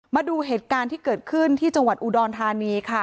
มาดูเหตุการณ์ที่เกิดขึ้นที่จังหวัดอุดรธานีค่ะ